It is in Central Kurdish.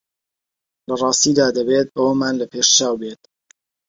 لە ڕاستیدا دەبێت ئەوەمان لە پێشچاو بێت